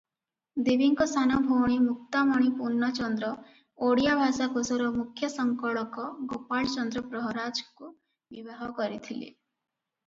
ଦେବୀଙ୍କ ସାନଭଉଣୀ ମୁକ୍ତାମଣି ପୂର୍ଣ୍ଣଚନ୍ଦ୍ର ଓଡ଼ିଆ ଭାଷାକୋଷର ମୁଖ୍ୟ ସଂକଳକ ଗୋପାଳ ଚନ୍ଦ୍ର ପ୍ରହରାଜଙ୍କୁ ବିବାହ କରିଥିଲେ ।